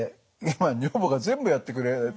今女房が全部やってくれてますね。